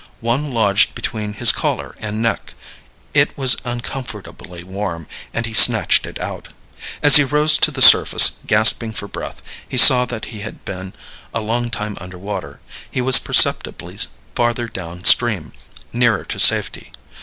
One lodged between his collar and neck; it was uncomfortably warm, and he snatched it out. As he rose to the surface, gasping for breath, he saw that he had been a long time under water; he was perceptibly farther down stream nearer to safety.